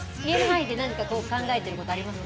何か考えてることありますか？